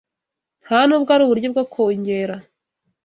nta n’ubwo ari uburyo bwo kongera